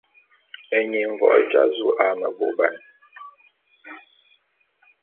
Eying mvoé dza zu a meboubane.